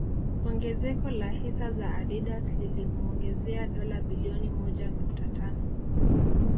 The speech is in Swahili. Ongezeko la hisa za Adidas liliomuongezea dola bilioni moja nukta tano